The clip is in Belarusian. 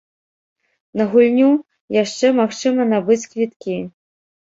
На гульню яшчэ магчыма набыць квіткі.